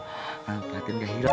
patin gak hirau